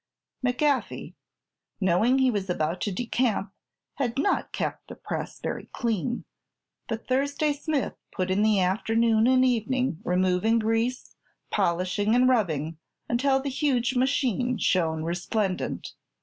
McGaffey, knowing he was about to decamp, had not kept the press very clean; but Thursday Smith put in the afternoon and evening removing grease, polishing and rubbing, until the huge machine shone resplendent.